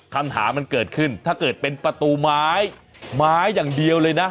คำถามมันเกิดขึ้นถ้าเกิดเป็นประตูไม้ไม้อย่างเดียวเลยนะ